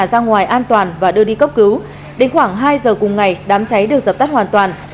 ra ngoài an toàn và đưa đi cấp cứu đến khoảng hai giờ cùng ngày đám cháy được dập tắt hoàn toàn